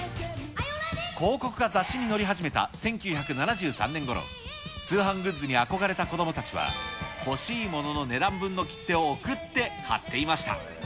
広告が雑誌に載り始めた１９７３年ごろ、通販グッズに憧れた子どもたちは、欲しいものの値段分の切手を送って買っていました。